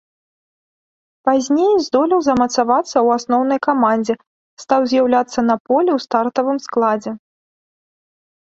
Пазней здолеў замацавацца ў асноўнай камандзе, стаў з'яўляцца на полі ў стартавым складзе.